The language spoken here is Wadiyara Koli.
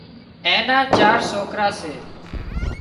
اين نا چار سوڪرا سي